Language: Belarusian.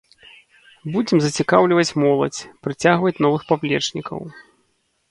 Будзем зацікаўліваць моладзь, прыцягваць новых паплечнікаў.